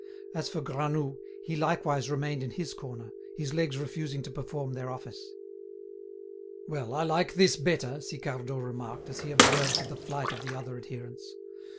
As for Granoux, he likewise remained in his corner, his legs refusing to perform their office. "Well, I like this better," Sicardot remarked, as he observed the flight of the other adherents.